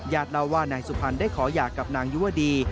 เล่าว่านายสุพรรณได้ขอหย่ากับนางยุวดี